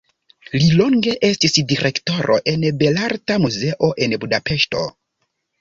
Li longe estis direktoro en Belarta Muzeo en Budapeŝto.